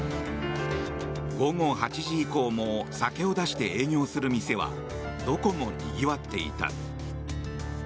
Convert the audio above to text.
午後８時以降も酒を出して営業する店はどこもにぎわっていた。